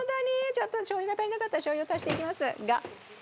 ちょっとしょう油が足りなかったしょう油足していきますが。